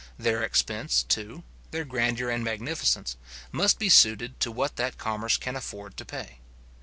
Their expense, too, their grandeur and magnificence, must be suited to what that commerce can afford to pay.